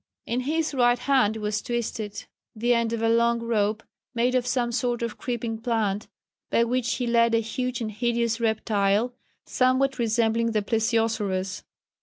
In his right hand was twisted the end of a long rope made of some sort of creeping plant, by which he led a huge and hideous reptile, somewhat resembling the Plesiosaurus.